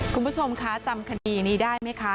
คุณผู้ชมคะจำคดีนี้ได้ไหมคะ